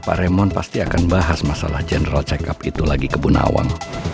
pak raymond pasti akan bahas masalah general check up itu lagi ke bu nawang